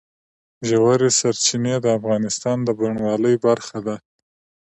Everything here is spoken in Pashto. ژورې سرچینې د افغانستان د بڼوالۍ برخه ده.